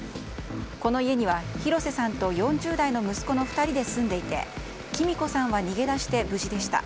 この家には廣瀬さんと４０代の息子の２人で住んでいて貴美子さんは逃げ出して無事でした。